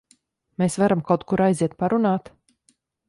Mēs varam kaut kur aiziet parunāt?